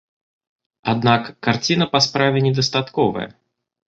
Аднак карціна па справе недастатковая.